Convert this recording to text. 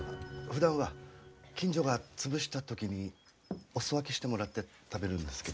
ふだんは近所が潰した時にお裾分けしてもらって食べるんですけどうん。